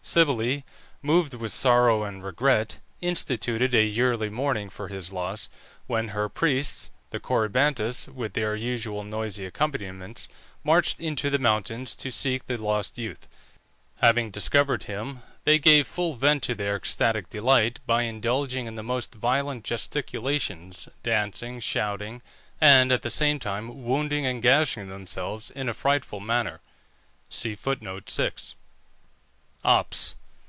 Cybele, moved with sorrow and regret, instituted a yearly mourning for his loss, when her priests, the Corybantes, with their usual noisy accompaniments, marched into the mountains to seek the lost youth. Having discovered him they gave full vent to their ecstatic delight by indulging in the most violent gesticulations, dancing, shouting, and, at the same time, wounding and gashing themselves in a frightful manner. OPS.